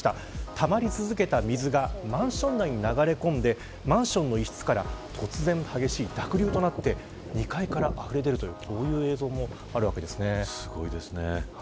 たまり続けた水がマンション内に流れ込んでマンションの一室から、突然激しい濁流となって２階からあふれ出るというすごいですね。